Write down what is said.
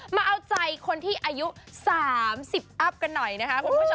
มาเอาใจคนที่อายุ๓๐อัพกันหน่อยนะคะคุณผู้ชม